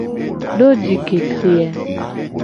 Do ji ke tri a.